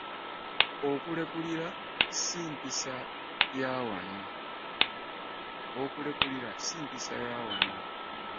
Okulekulira si mpisa ya wano.